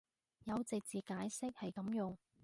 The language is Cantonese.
有直接解釋係噉用